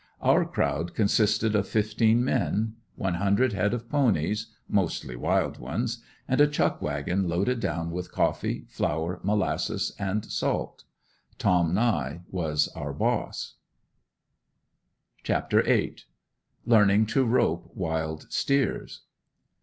Our crowd consisted of fifteen men, one hundred head of ponies mostly wild ones and a chuck wagon loaded down with coffee, flour, molasses and salt. Tom Nie was our boss. CHAPTER VIII. LEARNING TO ROPE WILD STEERS.